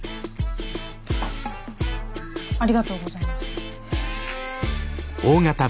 ありがとうございます。